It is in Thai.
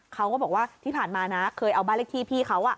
เขาก็บอกว่าที่ผ่านมานะเคยเอาบ้านเลขที่พี่เขา